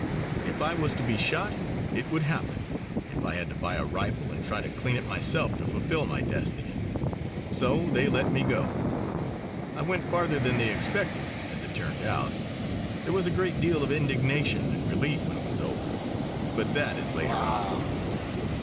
If I was to be shot it would happen, if I had to buy a rifle and try to clean it myself to fulfil my destiny. So they let me go. I went farther than they expected, as it turned out. There was a great deal of indignation and relief when it was over. But that is later on.